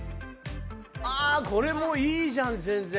これもいいじゃん全然！